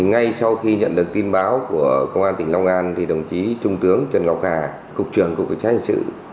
ngay sau khi nhận được tin báo của công an tỉnh long an đồng chí trung tướng trần ngọc hà cục trưởng cục cảnh sát hình sự